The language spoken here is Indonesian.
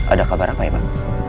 ada kabar apa ya bang